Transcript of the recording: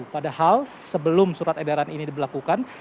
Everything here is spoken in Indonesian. padahal sebelum surat edaran ini diberlakukan